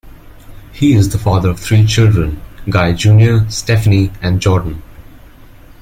He is the father of three children: Guy Junior Stephanie and Jordan.